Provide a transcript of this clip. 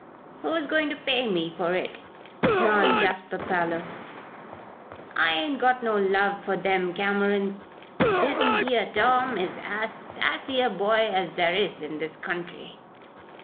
"Who's going to pay me for it?" snarled Jasper Parloe. "I ain't got no love for them Camerons. This here Tom is as sassy a boy as there is in this county."